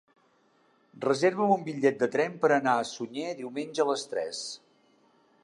Reserva'm un bitllet de tren per anar a Sunyer diumenge a les tres.